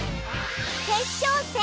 決勝戦